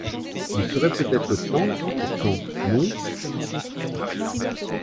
Il serait peut-être temps, pourtant, non ?